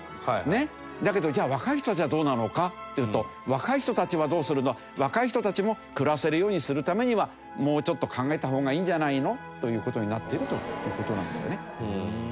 だけどじゃあ若い人たちはどうなのかというと若い人たちはどうするの若い人たちも暮らせるようにするためにはもうちょっと考えた方がいいんじゃないのという事になっているという事なんだよね。